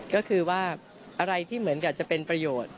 ก็คือว่าอะไรที่เหมือนกับจะเป็นประโยชน์